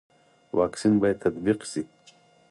واکسین باید تطبیق شي